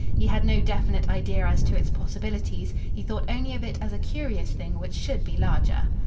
He had no definite idea as to its possibilities. He thought only of it as a curious thing which should be larger.